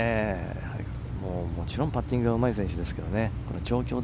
もちろんパッティングはうまい選手ですが。